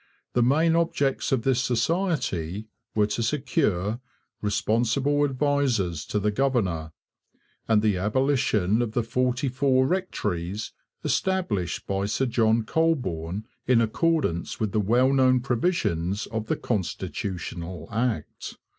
The main objects of this society were to secure 'responsible advisers to the governor,' and the abolition of the forty four rectories established by Sir John Colborne in accordance with the well known provisions of the Constitutional Act.